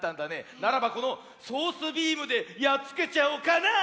ならばこのソースビームでやっつけちゃおうかなあ。